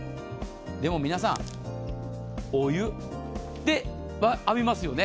でも皆さんお湯で浴びますよね。